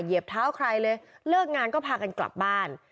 เหยียบเท้าใครเลยเลิกงานก็พากันกลับบ้าน